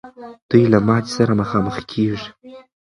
دوی له ماتي سره مخامخ کېږي.